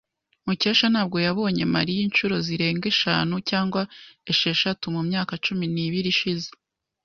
Mukesha ntabwo yabonye Mariya inshuro zirenga eshanu cyangwa esheshatu mumyaka cumi n'ibiri ishize.